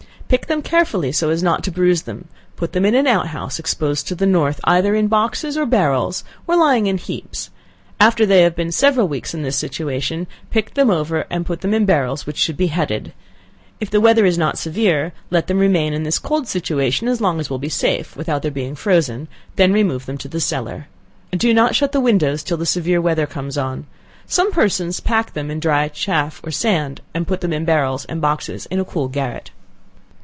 Pick them carefully, so as not to bruise them; put them in an out house, exposed to the north, either in boxes, or barrels, or lying in heaps; after they have been several weeks in this situation, pick them over and put them in barrels which should be headed; if the weather is not severe, let them remain in this cold situation as long as it will be safe, without their being frozen, then remove them to the cellar. Do not shut the windows till the severe weather comes on. Some persons pack them, in dry chaff, or sand, and put them in barrels and boxes in a cool garret.